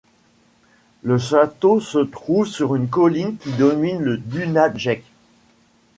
Le château se trouve sur une colline qui domine le Dunajec.